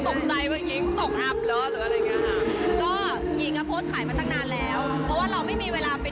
แต่ถ้าปีหน้าก็คือที่ดินหญิงจะขอขายที่ราคาเดิม๑๖ล้าน